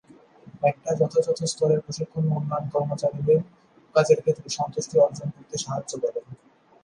একটা যথাযথ স্তরের প্রশিক্ষণ ও উন্নয়ন কর্মচারীদের কাজের ক্ষেত্রে সন্তুষ্টি অর্জন করতে সাহায্য করে।